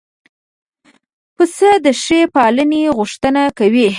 پسه د ښې پالنې غوښتنه کوي.